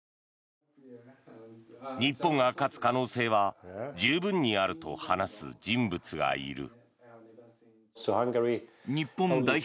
日本が勝つ可能性は十分にあると話す人物がいる。